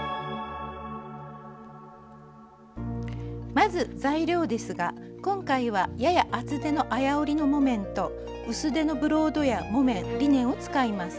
まず材料ですが今回はやや厚手の綾織りの木綿と薄手のブロードや木綿リネンを使います。